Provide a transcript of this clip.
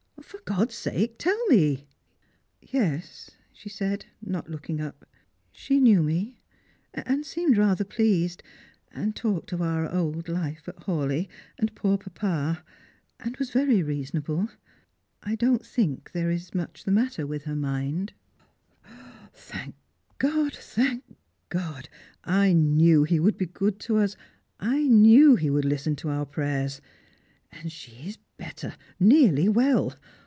" For God's sake tell me !"" Yes," she said, not looking up, " she knew me, and seemed rather pleased, and talked of our old life at Hawleigh, and poor papa, and was very reasonable. I don't think thera is much the matter with her mind." Strangers and Pilgrima. 385 " Thank God, thank God ! I knew He would be good to us I knew He would listen to our prayers ! And she is better, nearly well